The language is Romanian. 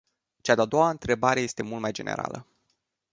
Cea de-a doua întrebare este mult mai generală.